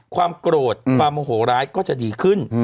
ความโกรธความโมโหร้ายก็จะดีขึ้น